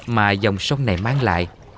mà dòng sông này mang lại